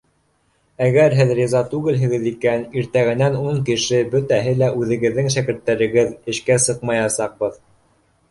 — Әгәр һеҙ риза түгелһегеҙ икән, иртәгәнән ун кеше, бөтәһе лә үҙегеҙҙең шәкерттәрегеҙ, эшкә сыҡмаясаҡбыҙ